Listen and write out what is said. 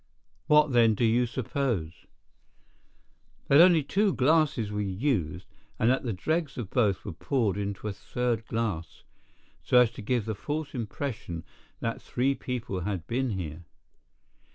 "What, then, do you suppose?" "That only two glasses were used, and that the dregs of both were poured into a third glass, so as to give the false impression that three people had been here.